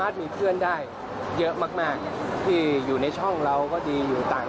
ต่างช่องก็ดี